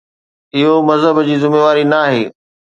اهو مذهب جي ذميواري ناهي.